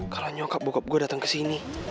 kalau nyokap bokap gue datang ke sini